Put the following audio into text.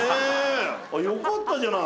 よかったじゃない。